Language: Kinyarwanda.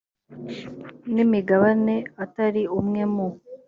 n imigabane atari umwe mu